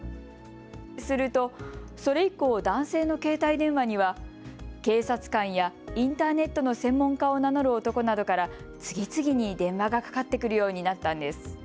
すると、それ以降、男性の携帯電話には警察官やインターネットの専門家を名乗る男などから次々に電話がかかってくるようになったんです。